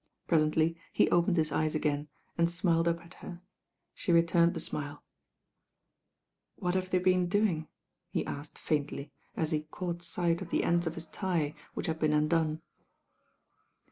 Presently he opened his eyes again and smiled up at her. She returned the smile. "What have they been doing?" he asked faintly, 1«N> THE BAIN^IRL 1 i !! i!! i at he CBught tight of the endt of hit tie, which had been undone.